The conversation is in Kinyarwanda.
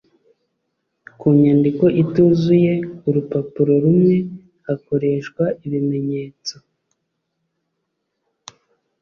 Ku nyandiko ituzuye urupapuro rumwe hakoreshwa ibimenyetso